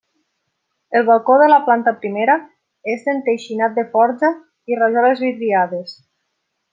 El balcó de la planta primera és d'enteixinat de forja i rajoles vidriades.